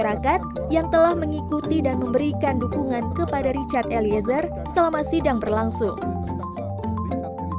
dan juga kepada masyarakat yang telah mengikuti dan memberikan dukungan kepada richard eliezer selama sidang berlangsung